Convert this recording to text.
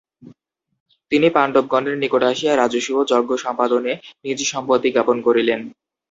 তিনি পাণ্ডবগণের নিকট আসিয়া রাজসূয় যজ্ঞ সম্পাদনে নিজ সম্মতি জ্ঞাপন করিলেন।